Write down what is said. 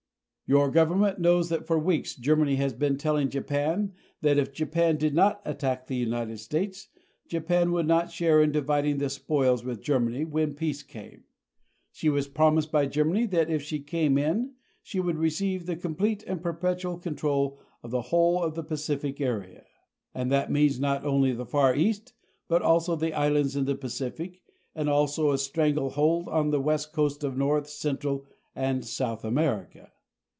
Your government knows that for weeks Germany has been telling Japan that if Japan did not attack the United States, Japan would not share in dividing the spoils with Germany when peace came. She was promised by Germany that if she came in she would receive the complete and perpetual control of the whole of the Pacific area and that means not only the Ear East, but also all of the Islands in the Pacific, and also a stranglehold on the west coast of North, Central and South America.